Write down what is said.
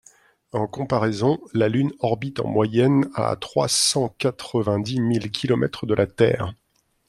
En comparaison, la Lune orbite en moyenne à trois cents quatre-vingt-dix mille kilomètres de la Terre.